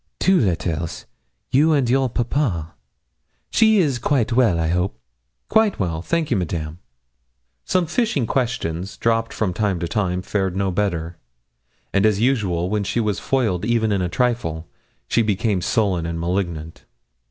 'Two letters you and your papa. She is quite well, I hope?' 'Quite well, thank you, Madame.' Some fishing questions, dropped from time to time, fared no better. And as usual, when she was foiled even in a trifle, she became sullen and malignant.